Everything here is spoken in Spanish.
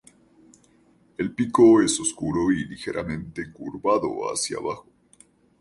El pico es oscuro y ligeramente curvado hacia abajo.